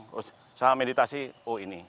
terus saham meditasi oh ini